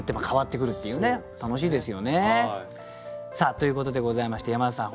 楽しいですよね。ということでございまして山田さん